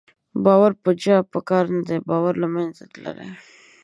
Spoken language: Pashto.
باور په چا په کار نه دی، باور له منځه تللی